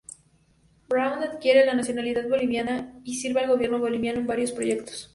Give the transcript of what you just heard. Braun adquiere la nacionalidad boliviana y sirve al gobierno boliviano en varios proyectos.